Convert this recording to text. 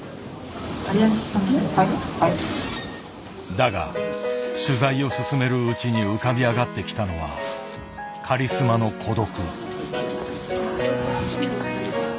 だが取材を進めるうちに浮かび上がってきたのはカリスマの孤独。